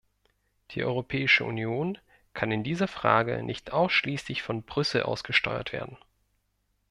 Die Europäische Union kann in dieser Frage nicht ausschließlich von Brüssel aus gesteuert werden.